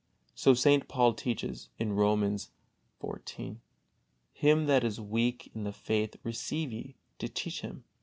So St. Paul teaches, Romans xiv: "Him that is weak in the faith receive ye, to teach him."